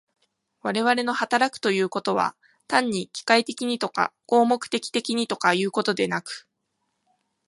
我々の働くということは、単に機械的にとか合目的的にとかいうことでなく、